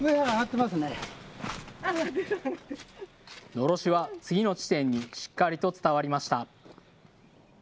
のろしは次の地点にしっかりと伝わりました。